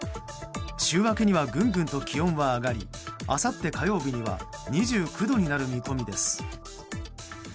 週明けにはぐんぐんと気温は上がりあさって火曜日には２９度になる見込みです。